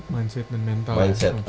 mindset dan mental ya coach